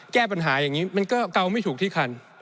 แก้ปัญหาอย่างนี้มันก็เกาไม่ถูกที่คัน